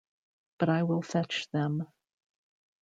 But I will fetch them.